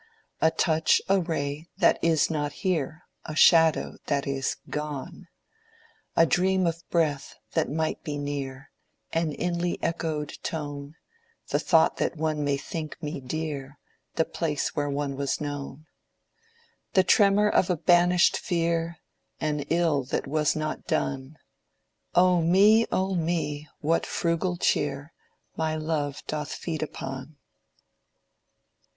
A touch, a ray, that is not here, A shadow that is gone: "A dream of breath that might be near, An inly echoed tone, The thought that one may think me dear, The place where one was known, "The tremor of a banished fear, An ill that was not done— O me, O me, what frugal cheer My love doth feed upon!"